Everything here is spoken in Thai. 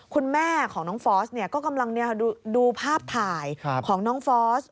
คุณแม่ของน้องฟอสก็กำลังดูภาพถ่ายของน้องฟอส